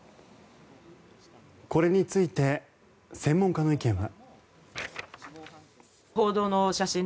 これについて専門家の意見は。